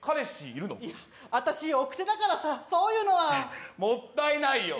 いや私おくてだからさそういうのはもったいないよ